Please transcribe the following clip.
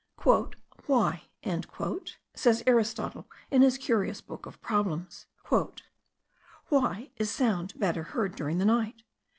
"Why," says Aristotle in his curious book of Problems, "why is sound better heard during the night?